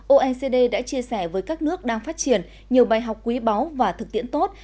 oecd đã chia sẻ với các nước đang phát triển nhiều bài học quý báu và thực tiễn tốt